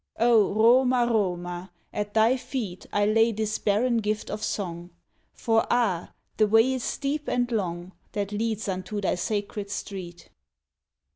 O Roma, Roma, at thy feet I lay this barren gift of song! For, ah! the way is steep and long That leads unto thy sacred street.